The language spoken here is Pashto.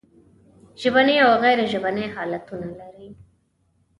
ژبني او غیر ژبني حالتونه لري.